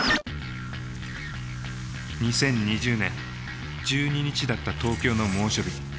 ２０２０年１２日だった東京の猛暑日。